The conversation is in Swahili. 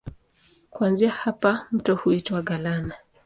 Kuanzia hapa mto huitwa Galana.